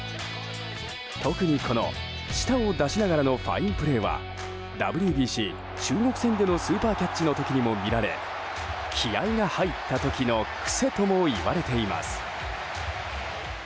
特に舌を出しながらのファインプレーはＷＢＣ、中国戦でのスーパーキャッチの時にも見られ気合が入った時の癖ともいわれています。